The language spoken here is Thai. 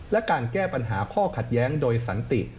และการแก้ปัญหาข้อขัดแย้งโดยสันติ